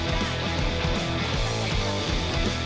สวัสดีครับ